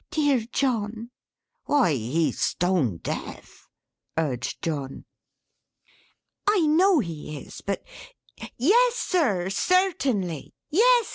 "Dear John!" "Why, he's stone deaf," urged John. "I know he is, but Yes Sir, certainly. Yes!